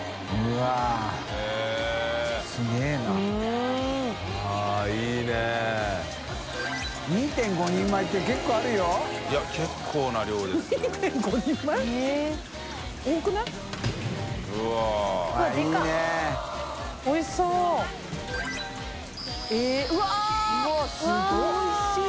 うわっおいしい！